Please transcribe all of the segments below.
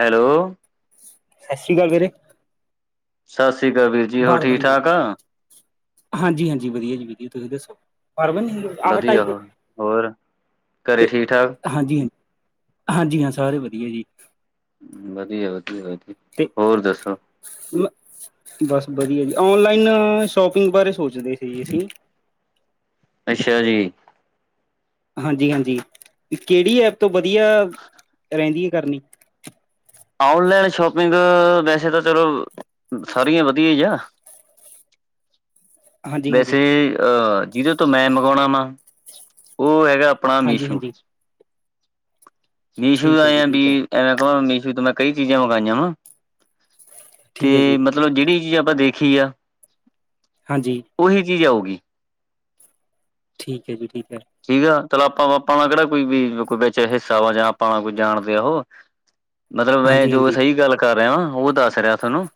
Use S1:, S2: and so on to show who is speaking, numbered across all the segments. S1: Hello.
S2: ਸਾਸਰੀ ਅਕਾਲ ਵੀਰੇ।
S1: ਸਤਿ ਸ਼੍ਰੀ ਅਕਾਲ ਵੀਰ ਜੀ ਹੋਰ ਠੀਕ ਠਾਕ ਆ
S2: ਹਾਂਜੀ -ਹਾਂਜੀ ਵਧੀਆ ਜੀ ਵਧੀਆ, ਤੁਸੀਂ ਦੱਸੋ। ਆਹ ਢਾਈ
S1: ਵਧੀਆ ਵਾ,
S2: ਤੇ
S1: ਹੋਰ ਘਰੇਂ ਠੀਕ -ਠਾਕ।
S2: ਹਾਂਜੀ- ਹਾਂਜੀ ਹਾਂ ਸਾਰੇ ਵਧੀਆਂ ਜੀ।
S1: ਵਧੀਆ- ਵਧੀਆ, ਵਧੀਆ।
S2: ਤੇ
S1: ਹੋਰ ਦੱਸੋ
S2: [unintelligible] ਬਸ ਵਧੀਆ ਜੀ, ਔਨਲਾਈਨ ਸ਼ੋਪਿੰਗ ਬਾਰੇ ਸੋਚਦੇ ਸੀ ਜੀ ਅਸੀਂ।
S1: ਅੱਛਾ ਜੀ।
S2: ਹਾਂਜੀ ਹਾਂਜੀ, ਕੇੜੀ ਐਪ ਤੋਂ ਵਧੀਆ ਰੈਂਦੀ ਏ ਕਰਨੀ।
S1: ਔਨਲਾਈਨ ਸ਼ੋਪਿੰਗ ਵੈਸੇ ਤਾਂ ਚਲੋ, ਸਾਰੀਆਂ ਵਧੀਆ ਈ ਆ।
S2: [inaudible]
S1: ਵੈਸੇ ਅਹ ਜਿਦੇ ਤੋਂ ਮੈਂ ਮੰਗਾਉਣਾ ਵਾ ਓ ਹੈਗਾ ਆਪਣਾ ਮੀਸ਼ੂ।
S2: ਹਾਂਜੀ-ਹਾਂਜੀ।
S1: ਮੀਸ਼ੂ
S2: ਠੀਕ
S1: ਦਾ
S2: ਹੈ
S1: ਏਂ
S2: ਜੀ
S1: ਆ ਪੀ,
S2: ਠੀਕ ਹੈ,
S1: ਐਵੇੈਂ ਕਵਾਂ ਮੀਸ਼ੂ ਤੋਂ ਮੈਂ ਕਈ ਚੀਜ਼ਾਂ ਮੰਗਾਈਆ‌ ਵਾ। ਤੇ
S2: ਠੀਕ ਹੈ ਜੀ
S1: ਮਤਲਬ ਜੇੜੀ ਚੀਜ਼ ਆਪਾਂ ਦੇਖੀ ਆ
S2: ਹਾਂਜੀ।
S1: ਓਹੀ ਚੀਜ਼ ਆਊਗੀ।
S2: ਠੀਕ ਏ ਜੀ, ਠੀਕ ਐ।
S1: ਠੀਕ ਆ, ਚਲ ਆਪਾਂ ਆਪਾਂ ਨਾਂ ਕੇੜਾ ਕੋਈ ਵੀ ਕੋਈ ਵਿੱਚ ਹਿੱਸਾ ਵਾ ਜਾਂ ਆਪਾਂ ਨਾਂ ਕੋਈ ਜਾਣਦੇ ਆ ਓ ਹੋ।
S2: [inaudible]
S1: ਮਤਲਬ ਮੈਂ ਜੋ
S2: ਹਾਂਜੀ-ਹਾਂਜੀ
S1: ਸਈ ਗੱਲ ਕਰ ਰਿਆਂ, ਓ ਦੱਸ ਰਿਆ ਥੋਨੂੰ।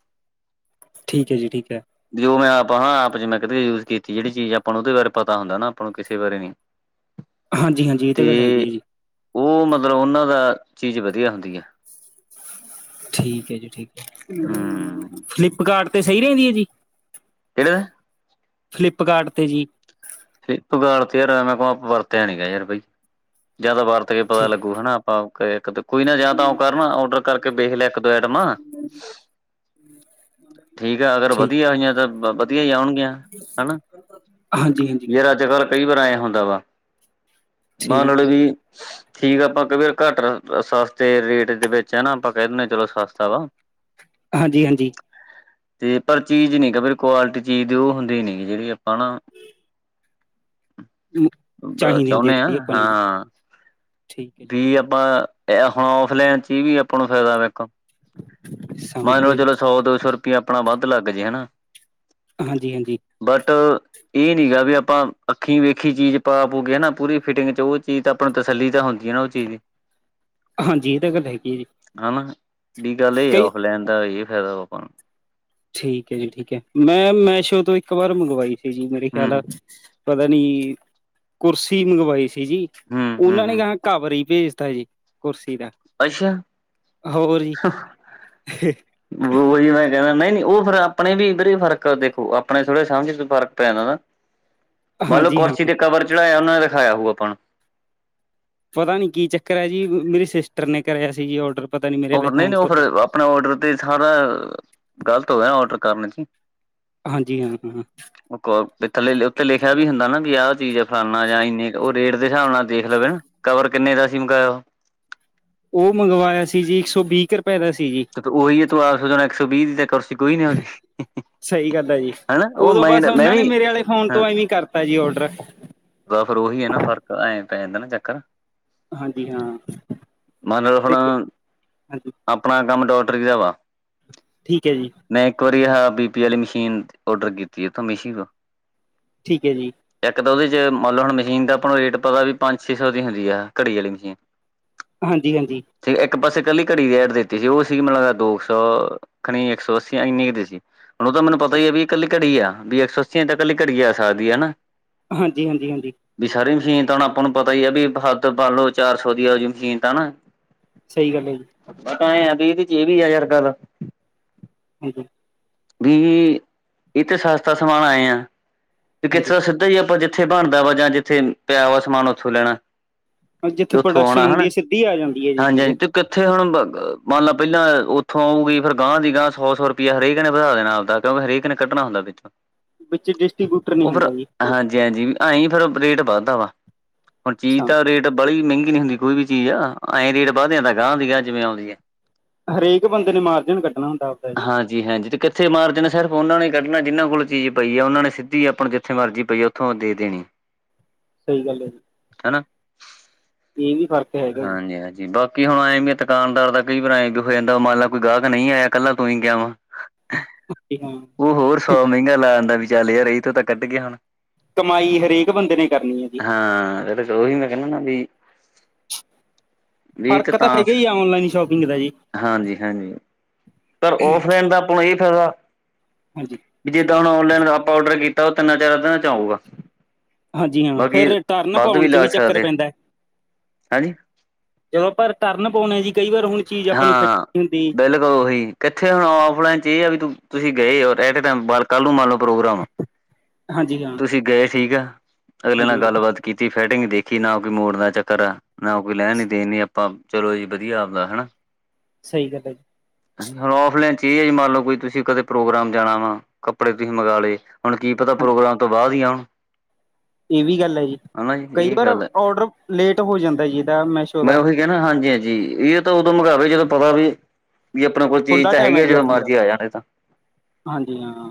S2: ਠੀਕ ਏ ਜੀ, ਠੀਕ ਏ।
S1: ਜੋ ਮੈਂ ਆਪਾਂ ਹਾਂ, ਆਪ ਚ ਮੈਂ ਕਦੇ ਯੂਜ ਕੀਤੀ ਜੇੜੀ ਚੀਜ਼ ਆਪਾਂ ਨੂੰ ਓਦੇ ਬਾਰੇ ਪਤਾ ਹੁੰਦਾ ਨਾਂ ਆਪਾਂ ਨੂੰ ਕਿਸੇ ਬਾਰੇ ਨੀਂ।
S2: ਹਾਂਜੀ ਹਾਂਜੀ।
S1: ਤੇ ਓ ਮਤਲਬ ਓਨਾਂ ਦਾ ਚੀਜ਼ ਵਧੀਆ ਹੁੰਦੀ ਆ।
S2: ਠੀਕ ਏ ਜੀ ਠੀਕ ਏ,
S1: ਹਮ
S2: ਫਲਿੱਪਕਾਰਟ ਤੇ ਸਈ ਰੇਂਦੀ ਐ ਜੀ।
S1: ਕੇੜਾ ਏ?
S2: ਫਲਿੱਪਕਾਰਟ ਤੇ ਜੀ।
S1: ਫਿਲਪਕਾਰਟ ਤੇ ਯਾਰ ਆਪਾਂ ਵਰਤਿਆ ਨੀਂ ਗਾ ਯਾਰ ਬਈ ਜਾਂ ਤਾਂ ਵਰਤ ਕੇ ਪਤਾ ਲੱਗੂ ਹਨਾਂ। ਆਪਾਂ ਇੱਕ ਦ ਕੋਈ ਨਾ ਜਾਂ ਤਾਂ ਅਂਓ ਕਰ ਨਾਂ ਓਡਰ ਕਰਕੇ ਵੇਖ ਲੇ ਇੱਕ-ਦੋ ਐਟਮਾਂ
S2: [inaudible]
S1: ਠੀਕ ਆ ਅਗਰ
S2: ਠੀਕ-ਠੀਕ।
S1: ਵਧੀਆ ਆਈਆਂ ਤਾਂ ਵਧੀਆ ਈ ਆਉਣਗੀਆਂ। ਹਨਾਂ?
S2: ਹਾਂਜੀ ਹਾਂਜੀ।
S1: ਕਈ ਵਾਰ ਐਂ ਹੁੰਦਾ ਵਾ,
S2: ਠੀਕ
S1: ਮੰਨ ਲੇ
S2: ਹੈ ਜੀ, ਠੀਕ।
S1: ਵੀ ਠੀਕ ਆ, ਆਪਾਂ ਕ ਘੱਟ ਸਸਤੇ ਰੇਟ ਦੇ ਵਿੱਚ ਹੈ ਨਾਂ ਆਪਾਂ ਕਹਿ ਦਿੰਣੇ ਚਲੋ ਸਸਤਾ ਵਾ।
S2: ਹਾਂਜੀ ਹਾਂਜੀ।
S1: ਤੇ ਪਰ ਚੀਜ਼ ਨੀਂ ਕਿਉਂਕਿ ਕੁਆਲਿਟੀ ਚੀਜ਼ ਦੇ ਓ ਹੁੰਦੀ ਨੀਂ ਜੇੜੀ ਆਪਾਂ ਨਾ
S2: [inaudible]
S1: ਅਬਾ
S2: ਚਾਹੀਦੀ ਹੁੰਦੀ ਹੈ
S1: ਚਾਉਨੇਂ ਆ,
S2: ਜਿਹੜੀ ਆਪਾਂ ਨੂੰ ਜੀ,
S1: ਹਾਂ।
S2: ਠੀਕ ਹੈ ਜੀ,
S1: ਪੀ
S2: ਠੀਕ ਹੈ,
S1: ਆਪਾਂ ਤੇ ਏ ਹੁਣ ਔਫਲੇਨ ਚ ਈ ਵੀ ਆਪਾਂ ਨੂੰ ਫਾਇਦਾ ਵੇਖੋ।
S2: ਸਮਝ
S1: ਮੰਨ ਲੋ
S2: ਗਿਆ ਜੀ,
S1: ਚਲੋ ਸੌ ਸੋ ਰੁਪਆ ਆਪਣਾ ਵੱਧ ਲੱਗ ਜੇ ਹਨਾਂ।
S2: ਹਾਂਜੀ ਹਾਂਜੀ।
S1: ਬਟ ਏ ਨੀਂ ਗਾ ਵੀ ਆਪਾਂ ਅੱਖੀ ਵੇਖੀ ਚੀਜ਼ ਪਾ ਪੂ ਕੇ ਹਨਾਂ ਪੂਰੀ ਫਿਟਿੰਗ ਚ ਓ ਚੀਜ਼ ਦਾ ਆਪਾਂ ਨੂੰ ਤਸੱਲੀ ਤਾਂ ਹੁੰਦੀ ਆ ਓ ਚੀਜ਼ ਦੀ।
S2: [inaudible] ਹਾਂਜੀ, ਇਹ ਤਾਂ ਗੱਲ ਹੈਗੀ ਹੈ ਜੀ,
S1: ਹਨਾਂ ਬੀ ਗੱਲ ਏ,
S2: ਕਈ
S1: ਔਫਲਾਈਨ ਦਾ ਏ ਫਾਇਦਾ ਆਪਾਂ ਨੂੰ
S2: ਠੀਕ ਏ ਜੀ, ਠੀਕ ਏ। ਮੈਂ ਮੈਸ਼ੋ ਤੋਂ ਇੱਕ ਵਾਰ ਮੰਗਵਾਈ ਸੀ ਜੀ, ਮੇਰੇ ਖਿਆਲ
S1: ਹੂੰ
S2: ਪਤਾ ਨੀਂ ਕੁਰਸੀ ਮੰਗਵਾਈ ਸੀ ਜੀ।
S1: ਹੂੰ ਹੂੰ
S2: ਉਨਾਂ ਨੇ
S1: ਹੂੰ
S2: ਗਾਂ ਕਵਰ ਈ ਭੇਜਤਾ ਜੀ। ਕੁਰਸੀ ਦਾ।
S1: ਅੱਛਾ!
S2: ਹੋਰ ਜੀ। [inaudible]
S1: ਕੋਈ ਨੀ ਮੈਂ ਕਹਿੰਨਾ ਨਈ- ਨਈ ਉਹ ਫਿਰ ਆਪਣੇ ਵੀਰੇ ਫਰਕ ਦੇਖੋ, ਆਪਣੇ ਥੋੜੇ ਸਮਝ ਫਰਕ ਪੈ ਜਾਂਦਾ ਨਾ
S2: ਹ [inaudible]
S1: ਮੰਨਲਓ ਕੁਰਸੀ ਤੇ ਕਵਰ ਚੜਾਇਆ ਉਹਨਾਂ ਨੇ ਦਿਖਾਇਆ ਹੂ ਆਪਾਂ ਨੂੰ
S2: ਪਤਾ ਨੀ ਕੀ ਚੱਕਰ ਐ ਜੀ, ਮੇਰੀ ਸਿਸਟਰ ਨੇ ਕਰਾਇਆ ਸੀ ਜੀ ਔਡਰ। ਪਤਾ ਨੀ ਮੇਰੇ
S1: ਉਹ
S2: ਆਲੇ
S1: ਫੇਰ ਨਈ-
S2: ਫੋਨ
S1: ਨਈ
S2: ਤੋਂ
S1: ਫਿਰ ਆਪਣੇ ਔਡਰ ਤੇ ਸਾਰਾ, ਗ਼ਲਤ ਹੋਇਆ ਔਡਰ ਕਰਨ ਚ।
S2: ਹਾਂਜੀ ਹਾਂ ਹਾਂ
S1: ਉਤੇ ਲਿਖਿਆ ਵੀ ਹੁੰਦਾ ਨਾ ਵੀ ਆਹ ਚੀਜ਼ ਫਲਾਨਾ ਜਾਂ ਇੰਨੇ ਉਹ ਰੇਟ ਦੇ ਹਿਸਾਬ ਨਾਲ ਦੇਖ ਲਵੇ ਨਾ ਕਵਰ ਕਿੰਨੇ ਦਾ ਸੀਂ ਮੰਗਾਇਆ।
S2: ਉਹ ਮੰਗਵਾਇਆ ਸੀ ਜੀ, ਇੱਕ ਸੌ ਵੀਹ ਕੁ ਰੁਪਏ ਦਾ ਸੀ ਜੀ।
S1: ਉਹੀ ਐ ਤੂੰ ਆਪ ਸੋਚ ਹੁਣ ਇੱਕ ਸੌ ਵੀਹ ਦੀ ਤ ਕੁਰਸੀ ਕੋਈ ਨੀ ਅਉਦੀ।
S2: ਸਹੀ ਗੱਲ ਐ ਜੀ, ਉਦੋਂ ਬਸ ਉਹਨਾਂ ਨੇ
S1: ਵੀ
S2: ਮੇਰੇ ਆਲੇ ਫੋਨ ਤੋਂ ਐਵੇਂ ਕਰਤਾ ਜੀ ਓਡਰ।
S1: ਬ ਫਿਰ ਉਹੀ ਐ ਨਾ ਫਰਕ ਐਂ ਪੈ ਜਾਂਦਾ ਨਾ ਚੱਕਰ।
S2: ਹਾਂਜੀ ਹਾਂ
S1: ਮਨ ਲੳ ਹੁਣ
S2: ਤੇ ਹਾਂਜੀ
S1: ਆਪਣਾ ਕੰਮ ਟੋਟਰੀ ਦਾ ਵਾ।
S2: ਠੀਕ ਐ ਜੀ।
S1: ਮੈਂ ਇੱਕ ਵਾਰੀ ਆ ਬੀ ਪੀ ਵਾਲੀ ਮਸ਼ੀਨ ਔਡਰ ਕੀਤੀ ਇਥੋਂ ਮਿਸ਼ੀ ਤੋਂ।
S2: ਠੀਕ ਐ ਜੀ।
S1: ਇੱਕ ਤਾਂ ਉਹਦੇ ਚ ਮੰਨ ਲਓ ਹੁਣ ਮਸ਼ੀਨ ਦਾ ਆਪਾਂ ਨੂੰ ਰੇਟ ਪਤਾ ਵੀ ਪੰਜ- ਛੇ ਸੌ ਦੀ ਹੁੰਦੀ ਹੈ, ਘੜੀ ਵਾਲੀ ਮਸ਼ੀਨ।
S2: ਹਾਂਜੀ- ਹਾਂਜੀ।
S1: ਇੱਕ ਪਾਸੇ ਕੱਲੀ ਘੜੀ ਦੀ ਐਡ ਦਿੱਤੀ ਸੀ, ਉਹ ਸੀ ਮੇਨੂ ਲੱਗਦਾ ਦੋ ਸੌ ਖਣੀ ਇੱਕ ਸੌ ਅੱਸੀ ਇੰਨੀ ਦੀ ਸੀ। ਹੁਣ ਉਹ ਤਾਂ ਮੈਨੂੰ ਪਤਾ ਈ ਆ ਵੀ ਇਕੱਲੀ ਘੜੀ ਆ, ਵੀ ਇੱਕ ਸੌ ਅੱਸੀ ਤਾਂ ਇਕੱਲੀ ਘੜੀ ਆ ਸਕਦੀ ਹਨਾ।
S2: ਹਾਂਜੀ- ਹਾਂਜੀ ਹਾਂਜੀ।
S1: ਸਾਰੀ ਮਸ਼ੀਨ ਤਾਂ ਹੁਣ ਆਪਾਂ ਨੂੰ ਪਤਾ ਈ ਆ ਬ ਹੱਦ ਪਾ ਲਓ, ਚਾਰ ਸੌ ਦੀ ਆ ਜ ਮਸ਼ੀਨ ਤਾਂ ਹਨਾ।
S2: ਸਹੀ ਗੱਲ ਐ ਜੀ।
S1: ਤਾਂ ਚ ਇਹ ਵੀ ਆ ਯਾਰ ਗੱਲ।
S2: ਹਾਜੀ
S1: ਇਹ ਤਾਂ ਸਸਤਾ ਸਮਾਨ ਐ ਆ [unintelligible] ਕਿਸ
S2: ਹਾਂਜੀ
S1: [unintelligible] ਜ ਆਪਾਂ ਜਿੱਥੇ ਬਣਦਾ ਵਾ ਜਾਂ ਜਿੱਥੇ ਪਿਆ ਵਾ ਸਮਾਨ ਉੱਥੋਂ ਲੈਣਾ।
S2: ਜਿੱਥੇ
S1: ਉੱਥੋਂ ਆਉਣਾ
S2: ਪ੍ਰੋਡਕਸ਼ਨ
S1: ਹਨਾ
S2: ਹੁੰਦੀ, ਸਿੱਧੀ ਆ ਜਾਂਦੀ ਐ ਜੀ
S1: ਹਾਂਜੀ
S2: ਚੀਜ਼।
S1: ਹਾਂਜੀ ਤੇ ਕਿੱਥੇ ਹੁਣ ਮੰਨ ਲ ਪਹਿਲਾਂ ਉੱਥੋਂ ਆਊਗੀ, ਫੇਰ ਗਾਂਹ ਦੀ ਗਾਂਹ ਸੌ- ਸੌ ਰੁਪਇਆ ਹਰੇਕ ਨੇ ਵਧਾ ਦੇਣਾ ਆਪਦਾ ਕਿਉਕਿ ਹਰੇਕ ਨੇ ਕੱਢਣਾ ਹੁੰਦਾ ਵਿਚੋ
S2: ਵਿੱਚੇ ਡਿਸਟਰੀਬਿਊਟਰ ਨਹੀਂ ਹੁੰਦਾ ਜੀ।
S1: ਹਾਂਜੀ ਹਾਂਜੀ ਆਂ ਫੇਰ ਰੇਟ ਵੱਧਦਾ ਵਾ ਹੁਣ ਚੀਜ਼ ਤਾਂ
S2: ਸਾਹਮਣੇ
S1: ਰੇਟ ਬੜੀ ਮਹਿੰਗੀ ਨੀ ਹੁੰਦੀ ਕੋਈ ਵੀ ਚੀਜ਼ ਆ, ਐਂ ਰੇਟ ਵੱਧ ਜਾਂਆਂਦਾ ਗਾਹ ਦੀ ਗਾਹ ਜਿਵੇਂ ਆਉਂਦੀ ਆ।
S2: ਹਰੇਕ ਬੰਦੇ ਨੇ ਮਾਰਜਨ ਕੱਢਣਾ ਹੁੰਦਾ ਆਪਦਾਂ ਜੀ।
S1: ਜੀ ਹਾਂਜੀ। ਤੇ ਕਿੱਥੇ ਮਾਰਜਨ ਸਿਰਫ ਉਹਨਾਂ ਨੇ ਕੱਢਣਾ ਜਿਹਨਾਂ ਕੋਲ ਚੀਜ਼ ਪਈ, ਆ ਉਹਨਾਂ ਨੇ ਸਿੱਧੀ ਆਪ ਨੂੰ ਜਿੱਥੇ ਮਰਜ਼ੀ ਪਈ ਆ ਉੱਥੋਂ ਦੇਣੀ।
S2: ਸਹੀ ਗੱਲ ਆ ਜੀ।
S1: ਹਨਾ
S2: ਇਹ ਵੀ ਫਰਕ
S1: ਹਾਂਜੀ ਹਾਂਜੀ ਬਹੁ ਕਿ ਹੁਣ ਐਏਂ ਵੀ ਦੁਾਨਦਾਰ ਦਾ ਕੋਈ ਵਾਰ ਏਟਰਫੇਰ ਹੋ ਜਾਂਦਾ, ਮੰਨ ਲਾ ਕੋਈ ਗਾਹਕ ਨਹੀਂ ਆਇਆ ਇਕੱਲਾ ਤੂੰ ਹੀ ਗਿਆ ਵਾ।
S2: ਉਕੇ ਹਾਜੀ
S1: ਉਹ ਹੋਰ ਸੌ ਮਹਿੰਗਾ ਲਾ ਦਿੰਦਾ, ਚੱਲ ਯਾਰ ਇਹਦੇ ਤੋ ਕੱਢਿਏ ਹੁਣ
S2: ਕਮਾਈ ਹਰੇਕ ਬੰਦੇ ਨੇ ਈ ਕਰਨੀ ਏ ਜੀ।
S1: ਹਾਂ, ਇਹਦੇ 'ਚ ਉਹੀ ਮੈਂ ਕਹਿੰਨਾ ਨਾ ਵੀ ਵੀ ਇੱਕ
S2: ਫ਼ਰਕ ਤਾਂ ਪੈਗਾ ਈ ਆ। ਔਨਲਾਈਨ ਸ਼ੋਪਿੰਗ ਦਾ ਜੀ।
S1: ਹਾਂਜੀ ਹਾਂਜੀ ਪਰ ਔਫਲਾਈਨ ਦਾ ਆਪਾਂ ਨੂੰ ਇਹੀ ਫ਼ਾਇਦਾ
S2: ਹਾਂਜੀ।
S1: ਵੀ ਜਿੱਦਾਂ ਹੁਣ ਔਨਲਾਈਨ ਆਪਾਂ ਔਡਰ ਕੀਤਾ। ਉਹ ਤਿੰਨਾ-ਚਾਰਾ ਦਿਨਾਂ 'ਚ ਆਊਗਾ।
S2: ਹਾਂਜੀ, ਹਾਂ।
S1: ਬਾਕੀ
S2: ਫਿਰ ਰਿਟਰਨ
S1: ਵੱਧ
S2: ਪਾਉਣ 'ਚ
S1: ਲੱਗ
S2: ਵੀ ਚੱਕਰ
S1: ਸਕਦੇ
S2: ਪੈਂਦਾ।
S1: ਹਾਂਜੀ
S2: ਜਦੋਂ ਆਪਾਂ ਰਿਟਰਨ ਪਵਾਂਉਣੇ ਆ ਜੀ। ਕਈ ਵਾਰ ਹੁਣ ਚੀਜ਼ ਆਪਾਂ ਨੂੰ ਫਿੱਟ
S1: ਹਾਂ,
S2: ਨਹੀਂ ਹੁੰਦੀ
S1: ਬਿਲ ਉਹੀ, ਕੱਠੇ ਹੋਣ ਔਫਲਾਈਨ 'ਚ ਇਹ ਆ ਵੀ ਤੁਹੀ ਗਏ ਓ। ਐਟੇ-ਟੈਂਮ ਬ ਕੱਲ੍ਹ ਨੂੰ ਮੰਨਲੋ ਪ੍ਰੋਗਰਾਮ ਆ‌
S2: [inaudible] ਹਾਂ
S1: ਤੁਸੀਂ ਗਏ ਸੀਗਾ। ਅਗਲੇ ਨਾ
S2: ਹਾਂਜੀ ਹਾਂ
S1: ਗੱਲਬਾਤ ਕੀਤੀ ਫੈਟਿੰਗ ਦੇਖੀ ਨਾ ਹੋ। ਕਿ ਮੋੜ ਦਾ ਚੱਕਰ ਆ। ਨਾ ਕੋਈ ਲੈਣ ਨੀ, ਦੇਣ ਨੀ। ਆਪਾਂ ਚਲੋ ਜੀ, ਵਧੀਆ ਆਪਦਾ ਹਨਾ।
S2: ਸਹੀ ਗੱਲ ਐ ਜੀ।
S1: ਔਫਲਾਈਨ 'ਚ ਏ ਆ ਜੀ। ਮੰਨਲੋ ਕੋਈ ਤੁਸੀਂ ਕਦੇ ਪ੍ਰੋਗਰਾਮ ਜਾਣਾ ਵਾ। ਕੱਪੜੇ ਤੁਸੀਂ ਮੰਗਾਲੇ ਹੁਣ ਕੀ ਪਤਾ,
S2: ਹਾਂ
S1: ਪ੍ਰੋਗਰਾਮ ਤੋਂ ਬਾਅਦ ਈ ਆਉਣ।
S2: ਇਹ ਵੀ ਗੱਲ ਐ ਜੀ।
S1: ਹਨਾ ਜੀ
S2: ਕਈ
S1: ਇਹ
S2: ਵਾਰ
S1: ਗੱਲ ਹੈ
S2: ਔਡਰ ਲੇਟ ਹੋ ਜਾਂਦਾ ਜੀ ਇਹਦਾ। ਮੈਸ
S1: ਮੈਂ ਉਹੀ ਕਹਿਣਾ, ਹਾਂਜੀ-ਹਾਂਜੀ। ਇਹ ਤਾਂ ਉਦੋਂ ਮੰਗਾਵੇ ਜਦੋਂ ਪਤਾ ਵੀ ਵੀ ਆਪਣੇ ਕੋਲ ਚੀਜ਼
S2: ਖੁੱਲਾ
S1: ਤਾਂ
S2: ਟਾਈਮ
S1: ਹੈਗੀ
S2: ਹੈ
S1: ਆ।
S2: ਜੀ
S1: ਜਦੋਂ
S2: ਆਪਣੇ ਦਾ
S1: ਮਰਜ਼ੀ ਆ ਜਾਣ ਇਹ ਤਾਂ।
S2: ਹਾਂਜੀ ਹਾਂ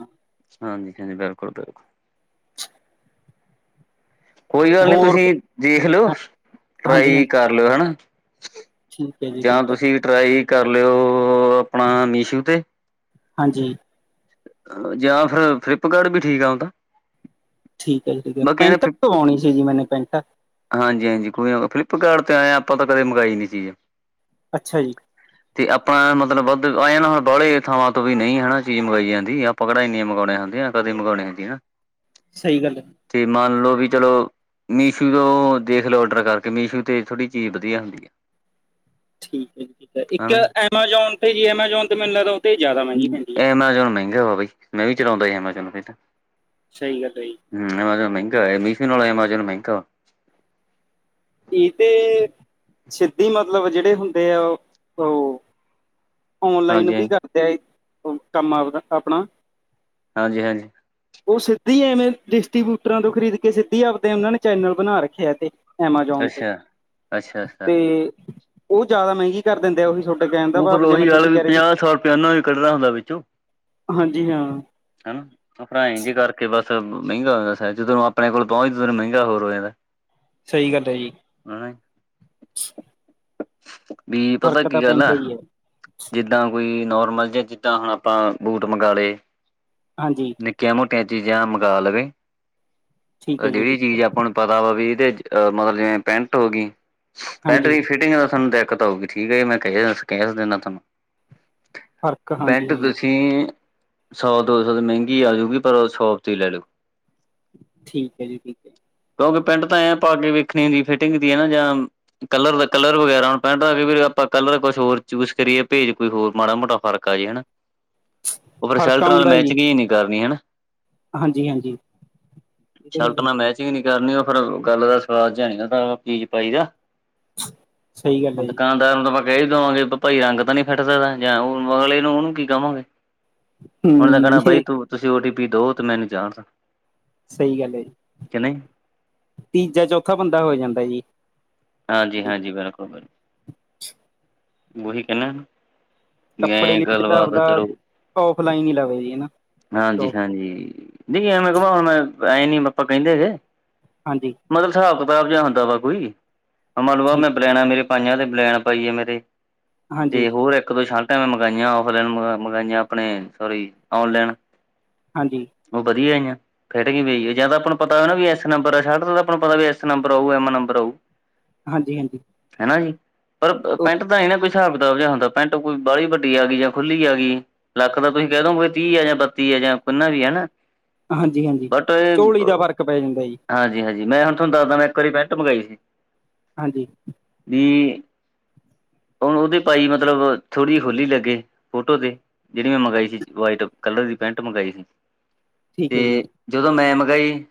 S1: ਹਾਂਜੀ। ਕਿਵੇਂ ਬਿਲਕੁਲ-ਬਿਲਕੁਲ। ਕੋਈ ਗੱਲ ਨੀ
S2: ਹੋਰ
S1: ਤੁਹੀਂ ਦੇਖਲੋ।
S2: ਹਾਂ- ਹਾਂਜੀ
S1: ਟ੍ਰਾਈ
S2: ਹਾਂਜੀ
S1: ਕਰ ਲਿਓ, ਹਨਾ‌।
S2: ਠੀਕ ਹੈ ਜੀ
S1: ਜਾਂ
S2: ਠੀਕ ਹੈ
S1: ਤੁਸੀਂ ਟ੍ਰਾਈ ਕਰ ਲਿਓ। ਆਪਣਾ ਮੀਸ਼ੂ ਤੇ
S2: ਹਾਂਜੀ।
S1: ਜਾਂ ਫਿਰ ਫਲਿੱਪਕਾਡ ਵੀ ਠੀਕ ਆ ਊਤਾ।
S2: ਠੀਕ ਐ ਜੀ, ਠੀਕ ਐ। ਪੈਂਟ ਪਵਾਉਣੀ ਸੀ ਜੀ ਮੈਂਨੇ ਪੈਂਟ।
S1: ਹਾਂਜੀ-ਹਾਂਜੀ, ਕੋਈ ਨਾ। ਫਲਿੱਪਕਾਡ ਤੇ ਐ ਆ, ਆਪਾਂ ਤਾਂ ਕਦੇ ਮਗਾਈ ਨੀ ਚੀਜ਼।
S2: ਅੱਛਾ ਜੀ।
S1: ਤੇ ਆਪਾਂ ਮਤਲਬ ਵੱਧ, ਐਂ ਆ ਨਾ। ਬਾਹਲੇ ਥਾਵਾਂ ਤੋਂ ਵੀ ਨਹੀਂ ਹਨਾ। ਚੀਜ਼ ਮੰਗਾਈ ਜਾਂਦੀ। ਆਪਾਂ ਕਿਹੜਾ ਇਨ੍ਹੇ ਮਗਾਉਣੇ ਹੁੰਦੇ ਆ। ਕਦੇ ਮਗਾਉਣੇ ਹੁੰਦੀ ਨਾ।
S2: ਸਹੀ ਗੱਲ ਏ।
S1: ਤੇ ਮੰਨਲੋ ਵੀ ਚਲੋ ਮੀਸ਼ੂ ਤੋਂ ਦੇਖਲੋ ਔਡਰ ਕਰਕੇ। ਮੀਸ਼ੂ ਤੇ ਥੋੜ੍ਹੀ ਚੀਜ਼ ਵਧੀਆ ਹੁੰਦੀ ਏ।
S2: [inaudible] ਠੀਕ ਏ ਜੀ। ਜਿਦਾਂ ਇੱਕ
S1: ਹਨਾ
S2: ਐਮਾਜ਼ੋਨ 'ਤੇ ਜੀ। ਐਮਾਜ਼ੋਨ ਤੇ ਮੈਨੂੰ ਲੱਗਦਾ, ਉਹਤੇ ਜ਼ਿਆਦਾ ਮਹਿੰਗੀ ਪੈਂਦੀ ਐ।
S1: ਤੇ ਉਹ ਮਹਿੰਗਾ ਵਾ ਬਾਈ। ਮੈਂ ਵੀ ਚਲਾਉਂਦਾ ਹੀ ਐਮਾਜ਼ੋਨ ਤਾਂ
S2: ਸਹੀ ਗੱਲ ਏ ਜੀ।
S1: ਹਮ, ਐਮਾਜ਼ੋਨ ਮਹਿੰਗਾ ਐ। ਮੀਸ਼ੂ ਨਾਲੋ ਐਮਾਜ਼ੋਨ ਮਹਿੰਗਾ
S2: ਪੀ ਤੇ ਸਿੱਧੀ ਮਤਲਬ ਜਿਹੜੇ ਹੁੰਦੇ ਆ। ਉਹ-ਉਹ ਔਨਲਾਈਨ
S1: ਹਾਂਜੀ
S2: ਵੀ
S1: ਹਾਂਜੀ
S2: ਕਰਦੇ ਆ। ਇਹ ਕੰਮ ਆਪਦਾ, ਆਪਣਾ।
S1: ਹਾਂਜੀ-ਹਾਂਜੀ।
S2: ਉਹ ਸਿੱਧੀ ਐਵੇਂ ਡਿਸਟੀਬਿਊਟਰਾਂ ਤੋਂ ਖਰੀਦ ਕੇ। ਸਿੱਧੀ ਆਪਦੇ ਉਹਨਾਂ ਨੇ ਚੈਨਲ ਬਣਾ ਰੱਖੇ ਆ ਤੇ ਐਮਾਜ਼ੋਨ
S1: ਅੱਛਾ ਅੱਛਾ ਅੱਛਾ
S2: ਤੇ-ਤੇ ਉਹ ਜ਼ਿਆਦਾ ਮਹਿੰਗੀ ਕਰ ਦਿੰਦੇ ਆ। ਉਹੀ ਸੋਡੇ ਕਹਿਣ ਦਾ ਭਾਵ ਜਿਵੇਂ
S1: ਚੱਲ
S2: ਤੁਸੀਂ
S1: ਵੀ,
S2: ਕਹਿ ਰਹੇ ਸੀ
S1: ਪੰਜਾਹ-ਸੌ ਰੁਪਿਆ, ਉਹਨਾਂ ਵੀ ਕੱਢਣਾ ਹੁੰਦਾ ਵਿੱਚੋਂ।
S2: ਹਾਂਜੀ ਹਾਂ।
S1: ਹਨਾ ਹੁਣ ਭਰਾ ਏਝ ਈ ਕਰ ਕਿ ਬਸ ਮੇੰਗਾ ਹੋ ਜਾਂਦਾ ਸਰ ਜਦੋਂ ਨੂੰ ਆਪਣੇ ਕੋਲ ਪਹੁੰਚ ਉਦੋਂ ਮੇਂਗਾ ਹੋਰ ਹੋ ਜਾਨਾ।
S2: ਸਈ ਗੱਲ ਐ ਜੀ।
S1: ਹਨਾ ਵੀ
S2: ਫਰਕ
S1: ਪਤਾ ਕੀ
S2: ਤਾਂ
S1: ਗੱਲ ਆ।
S2: ਪੈਂਦਾ ਹੀ ਹੈ
S1: ਜਿੱਦਾਂ ਕੋਈ ਨੋਰਮਲ ਜੀਆ ਜਿੱਦਾਂ ਹੁਣ ਆਪਾਂ ਬੂਟ ਮੰਗਾ ਲੇ।
S2: ਹਾਂਜੀ।
S1: ਨਿੱਕੀਆਂ ਮੋਟੀਆਂ ਚੀਜ਼ਾਂ ਮੰਗਵਾ ਲਵੇ
S2: ਠੀਕ
S1: ਤਾਂ
S2: ਹੈ ਜੀ
S1: ਜੇੜੀ
S2: ਠੀਕ ਹੈ
S1: ਚੀਜ਼ ਆਪਾਂ ਨੂੰ ਪਤਾ ਆ ਵਾ ਵੀ ਇਹਦੇ ਅ ਮਤਲਬ ਜਿਵੇਂ ਪੈਂਟ ਹੋ ਗਈ ਪੈਂਟ
S2: ਹਾਂਜੀ
S1: ਦੀ ਫਿਟਿੰਗ ਦਾ ਸਾਨੂੰ ਦਿੱਕਤ ਆਊਗੀ। ਠੀਕ ਐ ਜੀ ਮੈਂ ਕਹਿ-ਕਹਿ ਦਿੰਦਾ ਤੁਹਾਨੂੰ
S2: ਫਰਕ ਹਾਂਜੀ
S1: ਪੈਂਟ
S2: ਹਾਂ
S1: ਤੁਸੀਂ ਤੁਸੀਂ ਸੌ ਦੋ ਸੌ ਮੇਂਗੀ ਆਜੂਗੀ ਪਰ ਸ਼ੋਪ ਤੋਂ ਹੀ ਲੋ।
S2: ਠੀਕ ਐ ਜੀ ਬਿਲਕੁਲ।
S1: ਕਿਉਂਕਿ ਪੈਂਟ ਤਾਂ ਐਂ ਪਾ ਕੇ ਵੇਖਣੀ ਹੁੰਦੀ ਫਿਟਿੰਗ ਦੀ ਹੈ ਨਾ [unintelligible] ਕਲਰ ਦਾ ਕਲਰ ਵਗੈਰਾ ਹੁਣ ਪੈਂਟ ਦਾ ਆਪਾਂ ਕਲਰ ਕੁਛ ਹੋਰ ਚੂਜ ਕਰੀਏ ਭੇਜ ਕੋਈ ਹੋਰ ਮਾੜਾ ਮੋਟਾ ਫਰਕ ਆ ਜੇ ਹਨਾ।
S2: ਹਮ [inaudible]
S1: ਓ ਫੇਰ ਸ਼ਲਟ ਨਾਲ ਮੈਚਿੰਗ ਜੀ ਨੀ ਕਰਨੀ ਹਨਾ।
S2: ਹਾਂਜੀ-ਹਾਂਜੀ
S1: ਸ਼ਰਟ ਨਾਲ
S2: [unintelligible]
S1: ਮੈਚਿੰਗ ਨੀ ਕਰਨੀ ਉਹ ਫਿਰ ਗੱਲ ਦਾ ਸੁਆਦ ਜਾ ਆਂਦਾ ਚੀਜ਼ ਪਾਈ ਦਾ।
S2: ਸਹੀ ਗੱਲ ਹੈ
S1: ਹੁਣ
S2: ਜੀ
S1: ਦੁਕਾਨ ਤੁਹਾਨੂੰ ਨੂੰ ਤਾ ਆਪਾ ਕਹਿ ਹੀ ਦੇਵਾਂਗੇ ਭਾਈ ਰੰਗ ਤਾ ਨੀ ਫਿਟ ਦਾ ਇਹ ਦਾ ਜਾਂ ਉਹ ਅਗਲੇ ਨੂੰ ਉਨੂੰ ਕੀ ਕਵਾਗੇ। ਉਨੇ ਕਹਿਣਾ
S2: ਹੂੰ
S1: ਬਾਈ
S2: ਇਹ
S1: ਤੂੰ ਤੁਸੀਂ ਓਟੀ ਪੀ ਦੋ ਤੇ ਮੈਨੂੰ ਜਾਣ ਦੋ।
S2: ਸਈ ਗੱਲ ਐ ਜੀ।
S1: [unintelligible]
S2: ਤੀਜਾ ਚੌਥਾ ਬੰਦਾ ਹੋ ਜਾਂਦਾ ਜੀ।
S1: ਹਾਂਜੀ-ਹਾਂਜੀ
S2: ਵਿੱਚ
S1: ਬਿਲਕੁਲ ਬਿਲ ਉਹੀ ਕੇਨਾ ਓਨੂ।
S2: ਕੱਪੜੇ ਲੀੜੇ ਤਾਂ ਆਪਦਾ ਔਫਲਾਈਨ ਹੀ ਲਵੇ ਜੀ ਹਨਾ। ਸ਼ੋਪ
S1: ਹਾਂਜੀ-ਹਾਂਜੀ ਨੀ ਐਵੇ ਕਵਾ ਹੁਣ ਐ ਨੀ ਆਪਾ ਕੇੰਦੇ ਗੇ।
S2: ਹਾਂਜੀ
S1: ਮਤਲਬ ਸਾਬ ਕਤਾਬ ਜਾਂ ਹੁੰਦਾ ਵਾ ਕੋਈ। ਮੰਨ ਲਵੋ ਆ
S2: ਠੀਕ
S1: ਮੈਂ ਬਲੈਣਾ ਮੇਰੇ ਪਾਈਆਂ ਤੇ ਬਲੈਣ ਪਾਈ ਆ ਮੇਰੇ
S2: ਹਾਂਜੀ
S1: ਤੇ ਹੋਰ ਇੱਕ ਦੋ ਸ਼ਲ ਮੰਗਾਈਆਂ ਔਫਲਾਈਨ ਮੰਗਾਈਆਂ ਆਪਣੇ ਸੋਰੀ ਔਨਲੇਨ।
S2: ਹਾਂਜੀ
S1: ਓ ਵਧੀਆ ਆਈਆਂ। ਖਿਟ ਗਈ ਬਈਏ ਜਾਂ ਤਾਂ ਆਪਾਂ ਪਤਾ ਹੋ ਨਾ ਵੀ ਇਸ ਨੰਬਰ ਸ਼ਲਟ ਤਾਂ ਆਪਾਂ ਪਤਾ ਵੀ ਐਸ ਨੰਬਰ ਆਊ ਐਮ ਨੰਬਰ ਆਊ।
S2: ਹਾਂਜੀ-ਹਾਂਜੀ।
S1: ਹਨਾ ਜੀ, ਪਰ ਪੈਂਟ ਦਾ ਐ ਨਾ ਬਈ ਹਸਾਬ ਕਤਾਬ ਜਿਹਾ ਹੁੰਦਾ ਪੈਂਟ ਕੋਈ ਬਾਲੀ ਵੱਡੀ ਆਗੀ ਯਾ ਖੁੱਲੀ ਆ ਗੀ। ਲੱਕ ਦਾ ਤੁਸੀਂ ਕਹਿ ਦੋ ਕੋਈ ਤੀਹ ਆ ਯਾ ਬੱਤੀ ਆ ਯਾ ਕੁਨਾ ਵੀ ਹੈ ਨਾ।
S2: ਹਾਂਜੀ-ਹਾਂਜੀ ਚੋੜੀ ਦਾ ਫਰਕ ਪੈ ਜਾਂਦਾ ਜੀ।
S1: ਹਾਂਜੀ-ਹਾਂਜੀ ਮੈਂ ਹੁਣ ਤੂਨ ਦੱਸਦਾ ਮੈਂ ਇੱਕ ਵਾਰੀ ਪੈਂਟ ਮੰਗਾਈ ਸੀ।
S2: ਹਾਂਜੀ
S1: ਵੀ ਹੁਣ ਉਦੇ ਪਾਈ ਮਤਲਬ ਥੋੜੀ ਖੁੱਲੀ ਲੱਗੇ ਫੋਟੋ ਤੇ। ਜੇੜੀ ਮੈਂ ਮੰਗਾਈ ਸੀ ਵਾਈਟ ਕਲਰ ਦੀ ਪੈਂਟ ਮੰਗਾਈ ਸੀ।
S2: ਠੀਕ ਐ ਜੀ।
S1: ਤੇ ਜਦੋਂ ਮੈਂ ਮੰਗਾਈ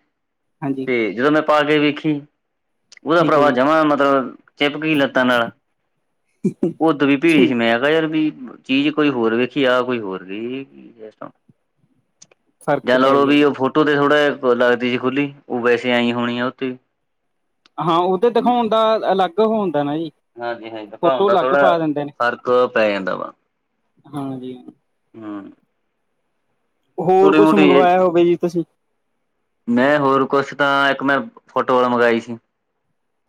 S2: ਹਾਂਜੀ
S1: ਤੇ ਜਦੋਂ ਮੈਂ ਪਾ ਕੇ ਵੇਖੀ ਉਹਦਾ
S2: ਠੀਕ ਹੈ
S1: ਭਰਾਵਾ
S2: ਜੀ
S1: ਜਮਾ ਮਤਲਬ, ਚਿਪਕੀ ਲੱਤਾਂ ਨਾਲ, ਉਦੂ ਭੀਖ
S2: ਠੀਕ
S1: ਨੇ ਯਾ ਫੇਰ ਵੀ, ਚੀਜ਼ ਕੋਈ ਹੋਰ ਵੇਖੀ ਆ, ਕੋਈ ਹੋਰ ਗਈ ਇਹ ਕੀ
S2: ਫ਼ਰਕ ਪੈ
S1: ਜਾਂਲਾਲੋ
S2: ਗਿਆ
S1: ਵੀ,
S2: ਜੀ
S1: ਉਹ ਫੋਟੋ ਤੇ ਥੋੜਾ ਜਿਹਾ ਲੱਗਦੀ ਸੀ ਖੁੱਲੀ, ਉਹ ਵੈਸੇ ਆਈ ਹੋਣੀ ਆ ਉਥੇ
S2: ਹਾਂ ਉਧਰ ਦਿਖਾਉਣ ਦਾ, ਅਲੱਗ ਹੁੰਦਾ ਨਾ ਜੀ।
S1: ਹਾਂਜੀ-ਹਾਂਜੀ ਦਿਖਾਉਣ
S2: ਫੋਟੋ
S1: ਦਾ,
S2: ਅਲੱਗ ਪਾ
S1: ਥੋੜਾ
S2: ਦਿੰਦੇ ਨੇ
S1: ਫ਼ਰਕ ਪੈ ਜਾਂਦਾ ਵਾ
S2: ਹਾਂਜੀ
S1: ਹਮ।
S2: ਹੋਰ, ਕੁਛ ਮੰਗਵਾਇਆ ਹੋਵੇ ਜੀ ਤੁਸੀਂ
S1: ਮੈਂ ਹੋਰ ਕੁਛ ਤਾਂ, ਇੱਕ ਮੈਂ ਫੁਟਬਾਲ ਮੰਗਵਾਈ ਸੀ।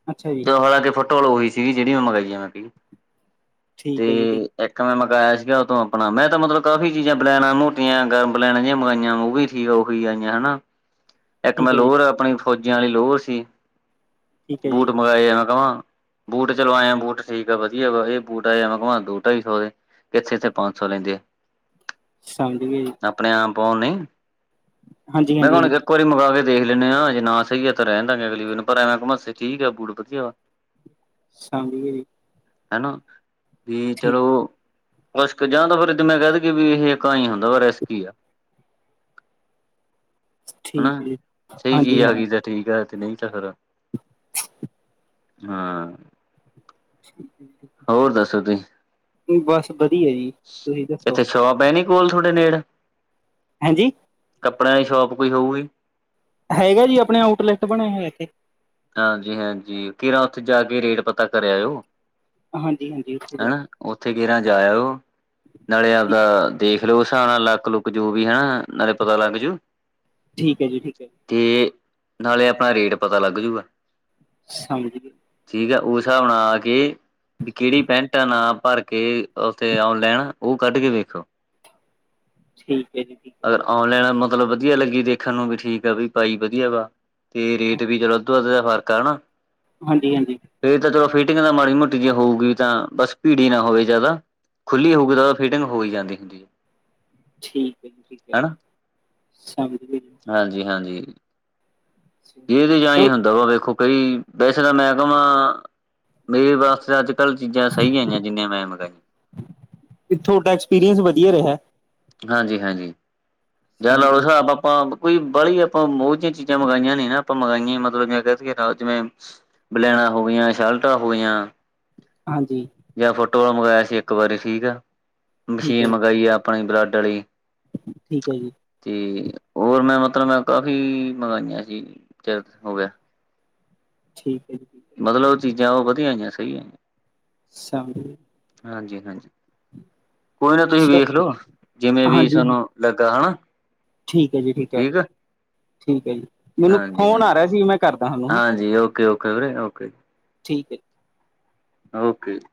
S2: ਅੱਛਾ ਜੀ।
S1: ਹਾਂਲਾਂ ਕੇ ਫੁਟਵਾਲ ਉਹੀ ਸੀਗੀ, ਜਿਹੜੀ ਮੈਂ ਮੰਗਾਈਆ ਮੈਂ
S2: ਠੀਕ ਹੈ ਜੀ ਠੀਕ
S1: ਤੇ ਇੱਕ ਮੈਂ ਮੰਗਾਇਆ ਸੀਗਾ ਉਥੋਂ ਆਪਣਾ, ਮੈਂ ਤਾਂ ਮਤਲਬ ਕਾਫ਼ੀ ਚੀਜ਼ਾਂ ਬਲੈਣਾ ਮੋਟੀਆਂ, ਗਰਮ ਬਲੈਣਾ ਜਿਹੀਆਂ ਮੰਗਾਈਆ ਉਹ ਵੀ ਕੀ, ਉਹੀ ਆਈਆਂ ਹਨਾ
S2: [inaudible] [inaudible]
S1: ਇੱਕ ਮੈਂ ਲੋਹਰ ਆਪਣੀ, ਫੌਜੀਆਂ ਵਾਲੀ ਲੋਹਰ ਸੀ।
S2: ਠੀਕ ਹੈ ਜੀ।
S1: ਐਵੇਂ ਮੈਂ ਕਿਵਾ,, ਬੂਟ ਚਲੋ ਆਏ ਆ ਬੂਟ ਠੀਕ ਆ ਵਧੀਆ ਵਾ, ਇਹ ਬੂਟ ਆਏ ਐਵੇਂ ਕਿਹਾ ਦੋ ਢਾਈ ਸੌ ਦੇ ਕਿੱਥੇ -ਇੱਥੇ ਪੰਜ ਸੌ, ਲੈਂਦੇ ਆ
S2: ਪਸੰਦ ਵੀ
S1: ਆਪਣੇ ਆਪ ਔ ਨਈ,
S2: ਹਾਂਜੀ
S1: ਮੈ
S2: ਹਾਂਜੀ
S1: ਹੁਣ ਵੇਖੋ
S2: ਹਾਂਜੀ
S1: ਇਕ ਵਾਰੀ ਮੰਗਾ ਕੇ ਦੇਖ ਲੈਣੇ ਆ, ਜੇ ਨਾ ਸਹੀ ਤਾਂ ਰਹਿ ਦਾਂਗੇ ਅਗਲੀ ਵਾਰ ਪਰ ਐਵੇਂ ਕਵਾ ਸੇ ਠੀਕ ਆ ਬੂਟ, ਵਧੀਆ
S2: [unintelligible] [inaudible]
S1: ਹਨਾ, ਵੀ
S2: ਠੀਕ
S1: ਚਲੋ ਕੁਛਕ ਜਾਂ ਤਾਂ ਫਿਰ ਮੈਂ ਕਹਿ ਦੇ ਵੀ, ਇਹ ਇਕ ਆਈ ਹੁੰਦਾ ਵੀ ਰਿਸਕ ਹੀ ਆ ਹਨਾ
S2: ਠੀਕ ਹੈ ਜੀ
S1: ਸਹੀ ਚੀਜ਼
S2: ਹਾਂਜੀ
S1: ਆ
S2: ਹਾਂ
S1: ਗਈ, ਤਾਂ ਠੀਕ ਆ, ਤੇ ਨਹੀਂ ਤਾਂ ਫਿਰ ਹਾਂ।
S2: ਠੀਕ ਆ।
S1: ਹੋਰ ਦੱਸੋ ਤੁਸੀਂ?
S2: ਬਸ ਵਧੀਆ ਜੀ। ਤੁਸੀਂ
S1: ਇੱਥੇ
S2: ਦੱਸੋ
S1: ਸ਼ੌਪ ਹੈ ਨਈ, ਕੋਲ ਥੋੜੇ ਨੇੜ?
S2: ਹੈਂ, ਜੀ।
S1: ਕੱਪੜਿਆਂ ਦੀ ਸ਼ੋਪ ਕੋਈ ਹੋਊਗੀ?
S2: ਹੈਗਾ ਜੀ, ਆਪਣੇ ਆਊਟਲੈਟ ਬਣੇ ਹੋਏ ਇੱਥੇ
S1: ਹਾਂਜੀ-ਹਾਂਜੀ ਕੇਰਾ ਉੱਥੇ ਜਾ ਕੇ, ਰੇਟ ਪਤਾ ਕਰਿ ਆਇਓ
S2: ਹਾਂਜੀ-ਹਾਂਜੀ ਉੱਥੇ ਜਾ
S1: ਹਨਾ
S2: ਕੇ
S1: ਉੱਥੇ ਵੀ ਨਾ ਜਾ ਆਇਓ। ਨਾਲੇ
S2: ਠੀਕ
S1: ਆਵਦਾ ਦੇਖ ਲਓ ਹਿਸਾਬ, ਨਾਲ ਲੱਕ -ਲੁੱਕ ਜੋ ਵੀ ਹਣਾ, ਨਾਲੇ ਪਤਾ ਲੱਗ ਜਉ
S2: ਠੀਕ ਹੈ ਜੀ, ਠੀਕ ਹੈ।
S1: ਤੇ ਨਾਲੇ ਆਪਾ, ਰੇਟ ਪਤਾ ਲੱਗ ਜਾਉਗਾ
S2: ਸਮਝ ਗਏ
S1: ਠੀਕ ਆ, ਉਸ ਹਿਸਾਬ ਨਾਲ ਆ ਕੇ ਵੀ ਕਿਹੜੀ ਪੈਂਟਾਂ ਨਾਂ ਭਰ ਕੇ ਉੱਥੇ, ਆਨਲਾਈਨ ਉਹ ਕੱਢ ਕੇ ਦੇਖਿਓ
S2: ਠੀਕ ਹੈ ਜੀ, ਠੀਕ ਹੈ।
S1: ਆਨਲਾਈਨ, ਮਤਲਬ ਵਧੀਆ ਲੱਗੀ ਦੇਖਣ ਨੂੰ, ਵੀ ਠੀਕ ਆ ਵੀ ਭਾਈ ਵਧੀਆ ਵਾ ਤੇ ਰੇਟ ਵੀ ਚਲੋ ਅਧੋ -ਅੱਧ ਦਾ ਫਰਕ ਆ ਨਾ
S2: ਹਾਂਜੀ-ਹਾਂਜੀ
S1: ਫਿਰ ਤਾਂ ਚਲੋ ਫਿਟਿੰਗ ਤਾਂ ਮਾੜੀ ਮੋਟੀ ਜੇ ਹੋਊਗੀ ਤਾਂ ਬਸ ਭੀੜੀ ਨਾ ਹੋਵੇ ਜ਼ਿਆਦਾ ਖੁੱਲੀ ਹੋਊਗੀ ਤਾਂ ਫਿਟਿੰਗ ਹੋਈ ਈ ਜਾਂਦੀ ਹੁੰਦੀ ਏ
S2: ਠੀਕ ਹੈ ਜੀ, ਠੀਕ ਹੈ, ਸਮਝਗਿਆ ਜੀ
S1: ਹਾਂਜੀ- ਹਾਂਜੀ ਇਹਦੇ ਚ ਆਈ ਹੁੰਦਾ ਵਾ ਵੇਖੋ ਭਾਈ, ਵੈਸੇ ਤਾਂ ਮੈਂ ਕਵਾ ਮੇਰੇ ਪਾਸ ਤੇ ਅੱਜ ਕੱਲ੍ਹ ਚੀਜ਼ਾਂ ਸਹੀ ਆਈਆਂ ਜਿੰਨੀਆਂ ਮੈਂ ਮੰਗਾਈਆਂ
S2: ਕਿ ਥੋਡਾ ਐਕਸਪੀਰੀਅੰਸ ਵਦੀਆ ਰਿਹਾ
S1: ਹਾਂਜੀ ਹਾਂਜੀ ਜਾਂ
S2: ਸਮਝ
S1: ਲਾਓ
S2: ਗਏ
S1: ਹਿਸਾਬ ਆਪਾਂ ਕੋਈ ਬਾਹਲੀ ਆਪਾਂ ਉਹ ਜਿਹੀਆਂ ਚੀਜ਼ਾਂ ਮੰਗਾਈਆਂ ਨੀ ਨਾ ਆਪਾਂ ਮੰਗਾਈਆਂ ਮਤਲਬ ਜਿਵੇਂ ਕਹਿ ਦੀਏ ਨਾ ਜਿਵੇਂ ਬਲੈਣਾਂ ਹੋ ਗਈਆਂ, ਸ਼ਲਟਾ ਹੋ ਗਈਆਂ
S2: ਹਾਂਜੀ
S1: ਜਾਂ ਫੁੱਟ ਵਾਲ ਮੰਗਾਇਆ ਸੀ ਇੱਕ ਵਾਰੀ ਠੀਕ ਆ
S2: ਠੀਕ
S1: ਮਸ਼ੀਨ
S2: ਹੈ ਜੀ
S1: ਮੰਗਾਈ ਏ ਆਪਨੇ ਬਲੱਡ ਆਲੀ
S2: ਠੀਕ ਐ ਜੀ
S1: ਤੇ ਹੋਰ ਮੈਂ ਮਤਲਬ ਮੈਂ ਕਾਫੀ ਮੰਗਾਈਆਂ ਸੀ ਚਿਰ ਹੋ ਗਿਆ
S2: ਠੀਕ ਏ ਜੀ ਹੈ
S1: ਮਤਲਬ ਉਹ ਚੀਜ਼ਾਂ ਉਹ ਵਦੀਆ ਆਈਆਂ ਸਹੀ ਆਈਆ
S2: [unintelligible]
S1: ਹਾਂਜੀ-ਹਾਂਜੀ ਕੋਈ ਨਾ ਤੁਸੀਂ
S2: ਚ
S1: ਵੇਖ ਲਓ ਜਿਵੇਂ ਵੀ
S2: ਹਾਂਜੀ
S1: ਸਾਨੂੰ ਲੱਗਾ ਹੈਨਾ
S2: ਠੀਕ ਏ ਜੀ ਠੀਕ ਏ ਠੀਕ ਏ ਜੀ ਮੈਨੂੰ
S1: ਹਾਂਜੀ
S2: ਫ਼ੋਨ ਆ
S1: ਹਾਂਜੀ
S2: ਰਿਹਾ ਸੀ ਮੈਂ ਕਰਦਾ ਥੋਨੂੰ ਹੈੰ
S1: ਹਾਂਜੀ ਓਕੇ ਓਕੇ ਵੀਰੇ ਓਕੇ
S2: ਠੀਕ ਏ ਜੀ
S1: ਓਕੇ ਜੀ